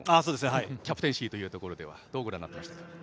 キャプテンシーというところはどうご覧になっていましたか。